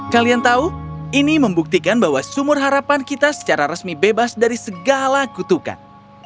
kalian tahu ini membuktikan bahwa sumur harapan kita secara resmi bebas dari segala kutukan